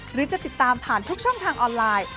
หรือจะติดตามผ่านทุกช่องทางออนไลน์